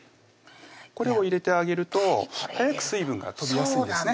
これを入れてあげると早く水分が飛びやすいんですね